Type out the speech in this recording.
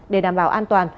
để đảm bảo an toàn